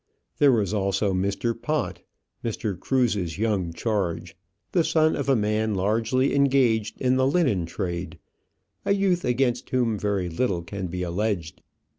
There was also Mr. Pott, Mr. Cruse's young charge, the son of a man largely engaged in the linen trade; a youth against whom very little can be alleged.